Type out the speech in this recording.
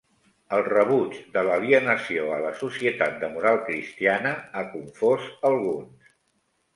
El rebuig de l'alienació a la societat de moral cristiana ha confòs alguns.